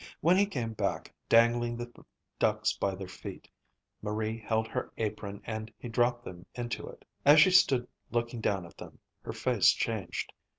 When he came back, dangling the ducks by their feet, Marie held her apron and he dropped them into it. As she stood looking down at them, her face changed.